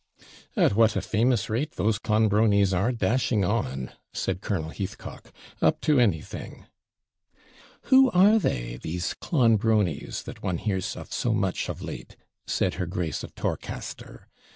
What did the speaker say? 'At what a famous rate those Clonbronies are dashing on,' said Colonel Heathcock. 'Up to anything.' 'Who are they? these Clonbronies, that one hears of so much of late' said her Grace of Torcaster.